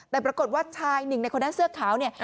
แต่ปรากฏว่าชายหนึ่งในคนนั้นเสื้อขาวเนี่ย